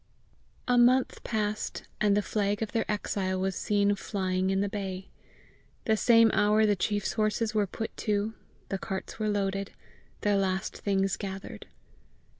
A month passed, and the flag of their exile was seen flying in the bay. The same hour the chief's horses were put to, the carts were loaded, their last things gathered.